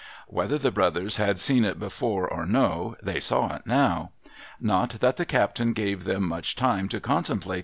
' Whether the brothers had seen it before or no, they saw it now. Not that the captain gave them much time to contemplate th.